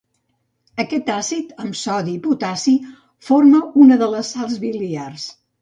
Aquest àcid, amb sodi i potassi, forma una de les sals biliars.